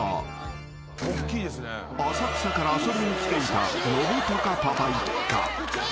［浅草から遊びに来ていたのぶたかパパ一家］